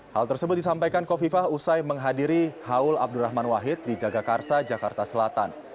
hal tersebut disampaikan kofifah usai menghadiri haul abdurrahman wahid di jagakarsa jakarta selatan